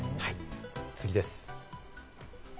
次です。